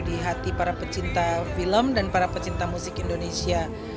di hati para pecinta film dan para pecinta musik indonesia